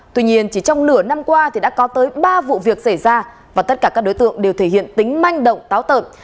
tuy nhiên chỉ trong nửa năm qua thì đã có tới ba vụ việc xảy ra và tất cả các đối tượng đều thể hiện tính manh động táo tợn